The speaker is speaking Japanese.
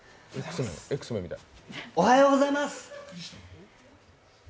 おはようございます。